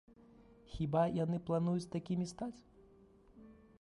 Хіба яны плануюць такімі стаць?